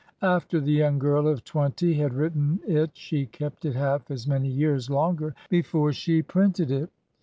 After the young girl of twenty had writ ten it, she kept it half as many years longer before she printed it.